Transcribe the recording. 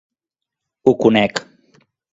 Ho conec.